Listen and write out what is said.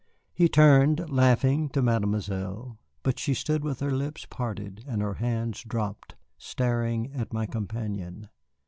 He turned, laughing, to Mademoiselle. But she stood with her lips parted and her hands dropped, staring at my companion.